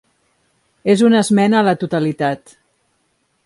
És una esmena a la totalitat.